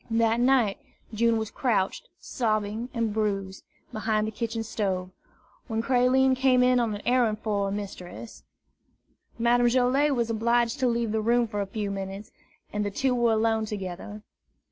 That night, June was crouched, sobbing and bruised, behind the kitchen stove, when Creline came in on an errand for her mistress. Madame Joilet was obliged to leave the room for a few minutes, and the two were alone together.